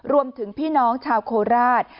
รวมถึงพี่น้องชาวโคราช